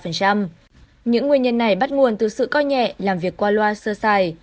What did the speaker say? những nguyên nhân này bắt nguồn từ sự coi nhẹ làm việc qua loa sơ xài